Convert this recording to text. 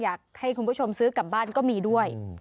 อยากให้คุณผู้ชมซื้อกลับบ้านก็มีด้วย